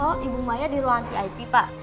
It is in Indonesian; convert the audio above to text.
oh ibu maya di ruangan vip pak